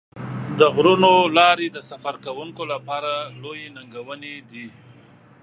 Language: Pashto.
د غرونو لارې د سفر کوونکو لپاره لویې ننګونې دي.